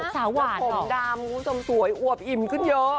หัวผมดำชมสวยอวบอิ่มขึ้นเยอะ